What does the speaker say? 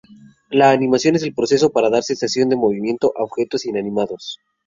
La animación es el proceso para dar sensación de movimiento a objetos inanimados.